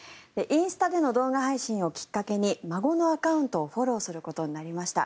インスタでの動画配信をきっかけに孫のアカウントをフォローすることになりました。